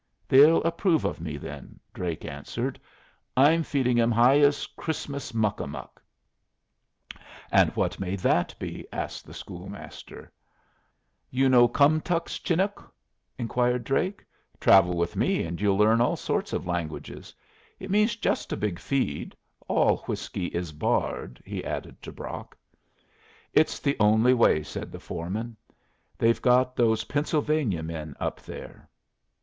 "They'll approve of me, then," Drake answered. "I'm feeding 'em hyas Christmas muck a muck." "And what may that be?" asked the schoolmaster. "You no kumtux Chinook?" inquired Drake. "Travel with me and you'll learn all sorts of languages. It means just a big feed. All whiskey is barred," he added to Brock. "It's the only way," said the foreman. "They've got those Pennsylvania men up there."